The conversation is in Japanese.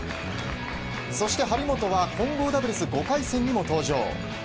そして張本は混合ダブルス５回戦にも登場。